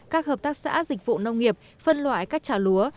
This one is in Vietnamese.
các hợp tác xã dịch vụ nông nghiệp phân loại các trà lúa